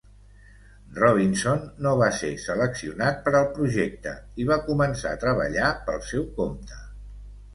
Robinson no va ser seleccionat per al projecte i va començar a treballar pel seu compte.